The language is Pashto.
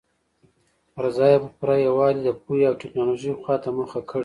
پر ځای یې په پوره یووالي د پوهې او ټکنالوژۍ خواته مخه کړې.